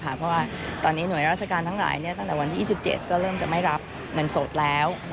เพราะว่าตอนนี้หน่วยราชการทั้งหลายตั้งแต่วันที่๒๗ก็เริ่มจะไม่รับเงินสดแล้ว